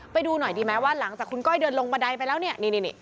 ไปดูหน่อยดีไหมว่าหลังจากคุณก้อยเดินลงบันไดไปแล้วเนี่ย